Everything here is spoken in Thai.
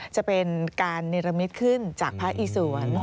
จะเป็นการนิรมิตรขึ้นจากพระอีศวรณ์